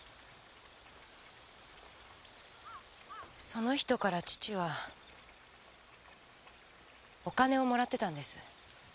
その人から父はお金をもらってたんです。